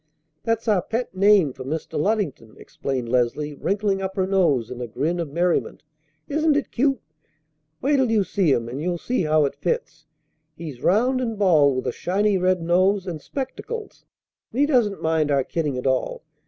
"That's our pet name for Mr. Luddington," explained Leslie, wrinkling up her nose in a grin of merriment. "Isn't it cute? Wait till you see him, and you'll see how it fits. He's round and bald with a shiny red nose, and spectacles; and he doesn't mind our kidding at all.